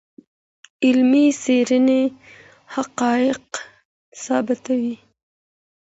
علمي څېړني حقایق ثابتوي.